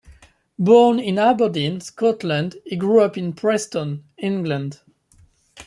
Born in Aberdeen, Scotland, he grew up in Preston, England.